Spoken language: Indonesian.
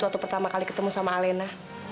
waktu pertama kali ketemu sama alena